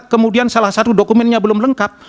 kemudian salah satu dokumennya belum lengkap